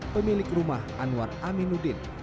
pemilik rumah anwar aminuddin